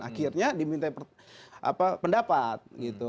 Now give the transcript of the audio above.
akhirnya diminta pendapat gitu